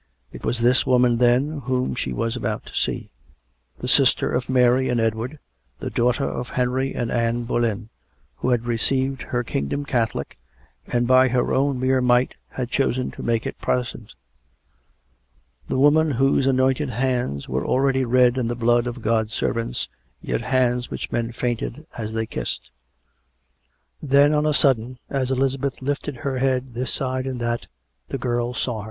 It was this woman, then, whom she was about to see; the sister of Mary and Edward, the daughter of Henry and Anne Boleyn, who had received her kingdom Catholic, and by her own mere might had chosen to make it Protestant; the woman whose anointed hands were already red in the blood of God's servants, yet hands which men fainted as they kissed. ... Then on a sudden, as Elizabeth lifted her head this side and that, the girl saw her.